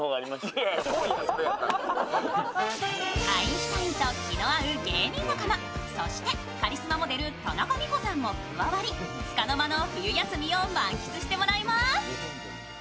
アインシュタインと気の合う芸人仲間、そしてカリスマモデル・田中美保さんも加わりつかの間の冬休みを満喫してもらいます。